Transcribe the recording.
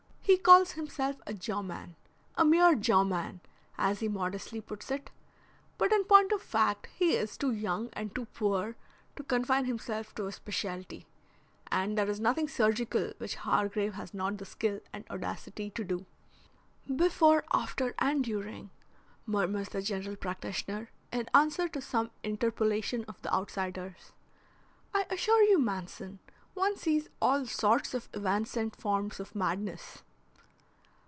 He calls himself a jawman "a mere jawman" as he modestly puts it, but in point of fact he is too young and too poor to confine himself to a specialty, and there is nothing surgical which Hargrave has not the skill and the audacity to do. "Before, after, and during," murmurs the general practitioner in answer to some interpolation of the outsider's. "I assure you, Manson, one sees all sorts of evanescent forms of madness."